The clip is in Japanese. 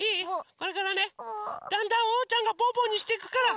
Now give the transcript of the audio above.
これからねだんだんおうちゃんのぽぅぽにしていくから。